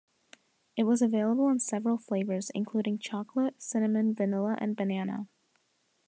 It was available in several flavors, including chocolate, cinnamon, vanilla and banana.